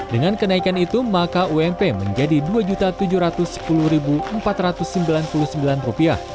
dengan kenaikan itu maka ump menjadi rp dua tujuh ratus sepuluh empat ratus sembilan puluh sembilan